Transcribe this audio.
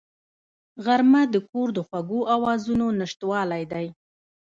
غرمه د کور د خوږو آوازونو نشتوالی دی